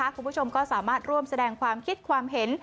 คุณผู้ชมก็สามารถร่วมแสดงความคิดความเห็น